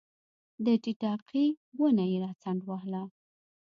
د ټیټاقې ونه یې راڅنډ وهله